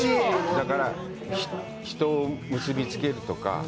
だから、人を結びつけるとか。